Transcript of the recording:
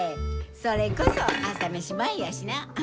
それこそ朝飯前やしな！